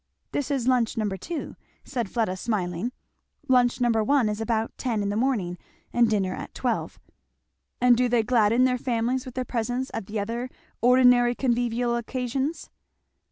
"This is lunch number two," said Fleda smiling; "lunch number one is about ten in the morning; and dinner at twelve." "And do they gladden their families with their presence at the other ordinary convivial occasions?"